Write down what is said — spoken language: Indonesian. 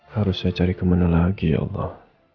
harus saya cari kemana lagi ya allah